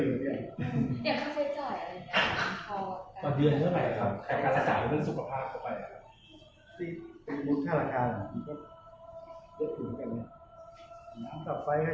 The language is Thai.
ที่บ้านเค้ามีบ่อและมอนะและมั่งจะหาได้